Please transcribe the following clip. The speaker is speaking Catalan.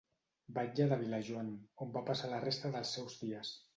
Batlle de Vilajoan, on van passar la resta dels seus dies.